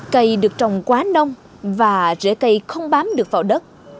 cây được trồng quá nông và rễ cây không bám được vào đất